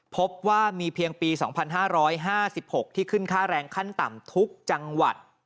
พบว่ามีเพียงปี๒๕๕๖ที่ขึ้นค่าแรงขั้นต่ำทุกจังหวัด